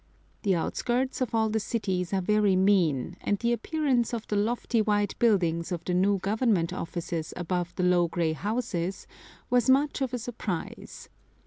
The outskirts of all the cities are very mean, and the appearance of the lofty white buildings of the new Government Offices above the low grey houses was much of a surprise.